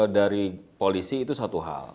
dari polisi itu satu hal